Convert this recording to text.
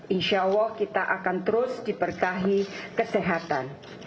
insya allah kita akan terus diberkahi kesehatan